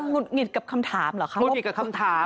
ุดหงิดกับคำถามเหรอคะหุดหิดกับคำถาม